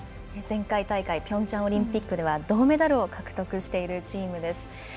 前回大会ピョンチャンオリンピックでは銅メダルを獲得しているチームです。